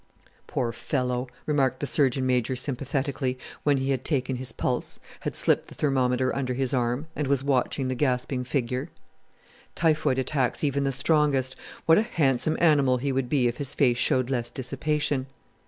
"Poor fellow," remarked the Surgeon Major sympathetically, when he had taken his pulse, had slipped the thermometer under his arm, and was watching the gasping figure. "Typhoid attacks even the strongest. What a handsome animal he would be if his face showed less dissipation!"